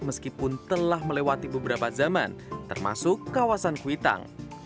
meskipun telah melewati beberapa zaman termasuk kawasan kuitang